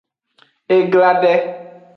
E gla de.